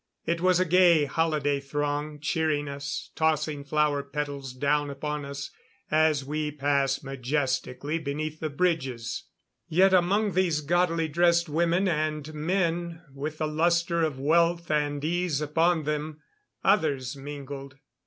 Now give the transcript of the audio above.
It was a gay, holiday throng cheering us, tossing flower petals down upon us as we passed majestically beneath the bridges. Yet among these gaudily dressed women and men with the luster of wealth and ease upon them, others mingled.